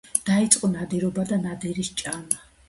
დაიწყო ნადირობა და ნადირის ჭამა.